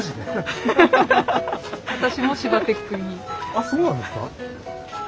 あっそうなんですか！